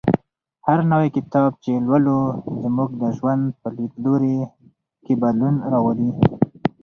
هر نوی کتاب چې لولو زموږ د ژوند په لیدلوري کې بدلون راولي.